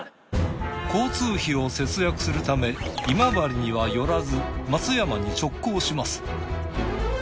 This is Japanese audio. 交通費を節約するため今治には寄らず松山に直行します。